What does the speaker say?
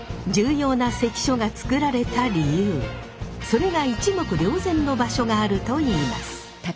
ここにそれが一目瞭然の場所があるといいます。